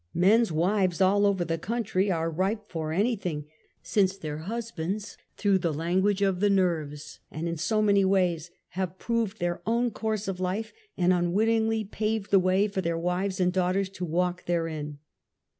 Men's waves all over the country are ripe for miything since their husbands, through the language of the nerve^^ and in so many ways have proved their own course in life, and unwittingly paved the way for their waives and daughters to walk there in.